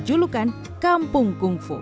julukan kampung kungfu